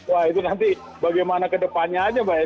wah itu nanti bagaimana ke depannya aja mbak ya